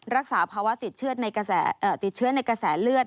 รักษาภาวะติดเชื้อในกระแสเลือด